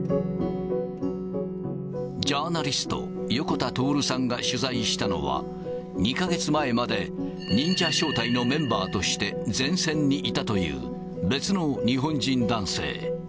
ジャーナリスト、横田徹さんが取材したのは、２か月前まで忍者小隊のメンバーとして前線にいたという、別の日本人男性。